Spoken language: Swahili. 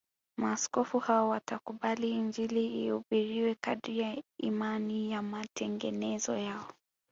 Maaskofu hao watakubali Injili ihubiriwe kadiri ya imani ya matengenezo yao